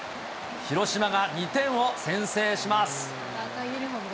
広島が２点を先制します。